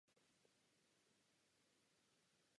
Otevřena byla den poté.